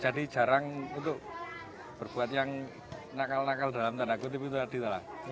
jadi jarang untuk berbuat yang nakal nakal dalam tanda kutip itu tadi lah